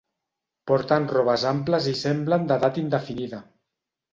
Porten robes amples i semblen d'edat indefinida.